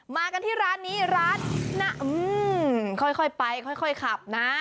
มากันที่ร้านนี้ร้านนะค่อยไปค่อยขับนะ